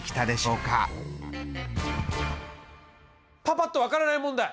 パパっと分からない問題！